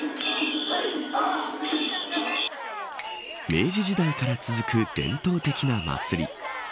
明治時代から続く伝統的な祭り。